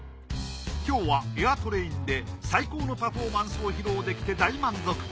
今日はエアトレインで最高のパフォーマンスを披露できて大満足。